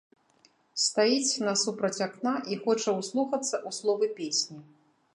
Стаіць насупраць акна і хоча ўслухацца ў словы песні.